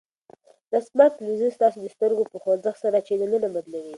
دا سمارټ تلویزیون ستاسو د سترګو په خوځښت سره چینلونه بدلوي.